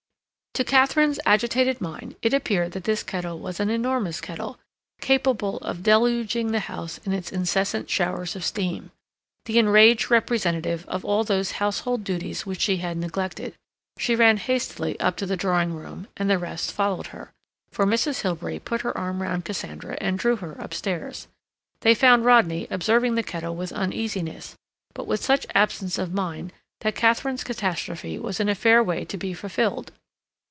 To Katharine's agitated mind it appeared that this kettle was an enormous kettle, capable of deluging the house in its incessant showers of steam, the enraged representative of all those household duties which she had neglected. She ran hastily up to the drawing room, and the rest followed her, for Mrs. Hilbery put her arm round Cassandra and drew her upstairs. They found Rodney observing the kettle with uneasiness but with such absence of mind that Katharine's catastrophe was in a fair way to be fulfilled.